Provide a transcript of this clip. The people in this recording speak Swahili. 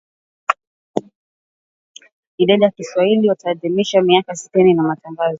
Idhaa ya Kiswahili yaadhimisha miaka sitini ya Matangazo